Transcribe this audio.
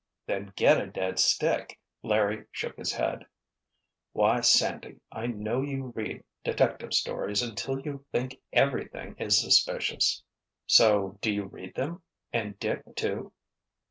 "'Then get a dead stick!'" Larry shook his head. "Why, Sandy! I know you read detective stories until you think everything is suspicious——" "So do you read them—and Dick, too!"